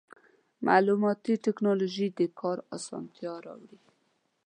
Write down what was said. مالوماتي ټکنالوژي د کار اسانتیا راوړي.